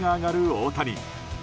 大谷。